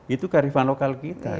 itu karifah lokal kita